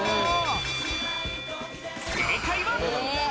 正解は。